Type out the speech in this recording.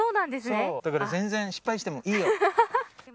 だから全然失敗してもいいよ！